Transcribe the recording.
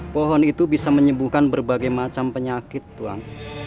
pohon itu bisa menyembuhkan berbagai macam penyakit tuan